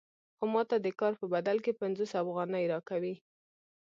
خو ماته د کار په بدل کې پنځوس افغانۍ راکوي